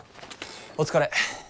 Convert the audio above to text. お疲れ。